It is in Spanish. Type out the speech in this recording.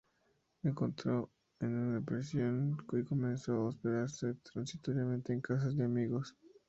Entró en una depresión y comenzó a hospedarse transitoriamente en casas de amigos.